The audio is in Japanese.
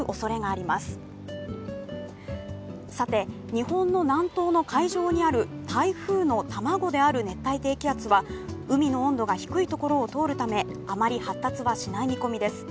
日本の南東の海上にある台風の卵である熱帯低気圧は海の温度が低いところを通るためあまり発達はしない見込みです。